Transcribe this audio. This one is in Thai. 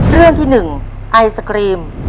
เรื่องที่๑ไอศกรีม